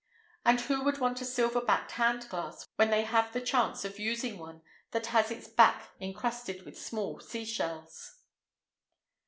And who could want a silver backed hand glass, when they have the chance of using one that has its back encrusted with small seashells!